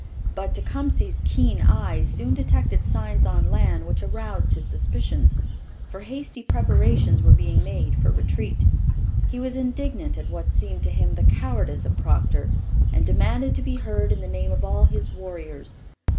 But Tecumseh's keen eyes soon detected signs on land which aroused his suspicions, for hasty preparations were being made for retreat. He was indignant at what seemed to him the cowardice of Procter, and demanded to be heard in the name of all his warriors.